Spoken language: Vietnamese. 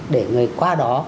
để người qua đó